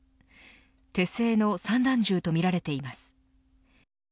手製の散弾銃とみられています。